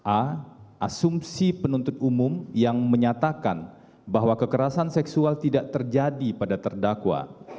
a asumsi penuntut umum yang menyatakan bahwa kekerasan seksual tidak terjadi pada terdakwa